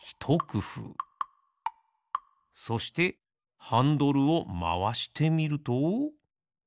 そしてハンドルをまわしてみると。